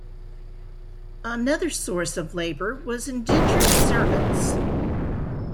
Another source of labor was indentured servants.